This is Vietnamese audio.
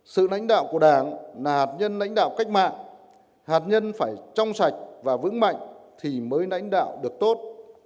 sự lãnh đạo của đảng là hạt nhân lãnh đạo cách mạng hạt nhân phải trong sạch và vững mạnh thì mới nãnh đạo được tốt